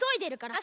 あ。